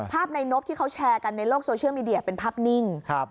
ในนบที่เขาแชร์กันในโลกโซเชียลมีเดียเป็นภาพนิ่ง